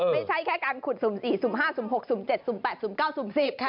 ไม่ใช่แค่การขุดศูมิ๔ศูมิ๕ศูมิ๖ศูมิ๗ศูมิ๘ศูมิ๙ศูมิ๑๐ค่ะ